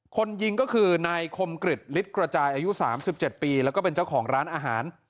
คนยิงก็คือนายคมกริจฤทธิกระจายอายุ๓๗ปีแล้วก็เป็นเจ้าของร้านอาหาร